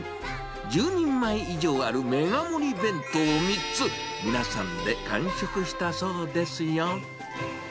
１０人前以上あるメガ盛り弁当３つ、皆さんで完食したそうですよ。